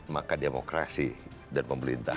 maka demokrasi dan pemerintah